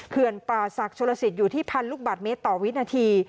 เขื่อนป่าศักดิ์โชลสิทธิ์อยู่ที่๑๐๐๐ลูกบาทเมตรต่อวินาที